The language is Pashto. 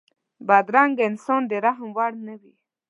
بدرنګه انسان د رحم وړ نه وي